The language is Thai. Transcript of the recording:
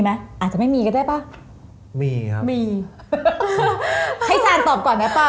ให้แชทฟฟ์ตอบก่อนนะป้ะ